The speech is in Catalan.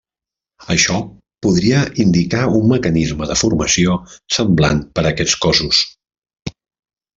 Això podria indicar un mecanisme de formació semblant per a aquests cossos.